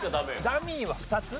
ダミー２つ。